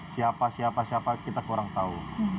siapa siapa kita kurang tahu